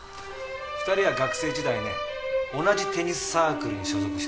２人は学生時代ね同じテニスサークルに所属してた。